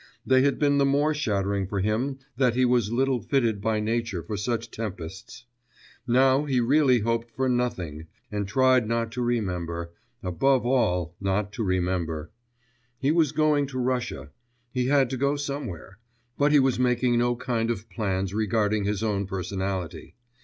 They had been the more shattering for him that he was little fitted by nature for such tempests. Now he really hoped for nothing, and tried not to remember, above all not to remember. He was going to Russia ... he had to go somewhere; but he was making no kind of plans regarding his own personality.